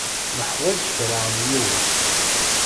Nuḥwaǧ kra n yiwet.